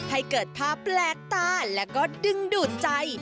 ให้เกิดภาพแปลกตาแล้วก็ดึงดูดใจ